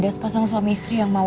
ada sepasang suami istri yang mau